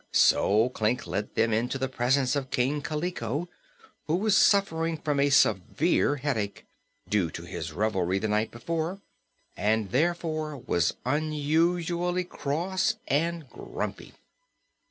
So Klik led them into the presence of King Kaliko, who was suffering from a severe headache, due to his revelry the night before, and therefore was unusually cross and grumpy.